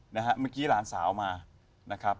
เมื่อกี้หลานสาวมานะครับ